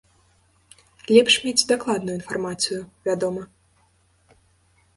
Лепш мець дакладную інфармацыю, вядома.